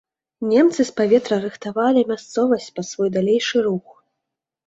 Немцы з паветра рыхтавалі мясцовасць пад свой далейшы рух.